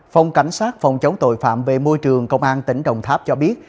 phòng cảnh sát phòng chống tội phạm về môi trường công an tỉnh đồng tháp cho biết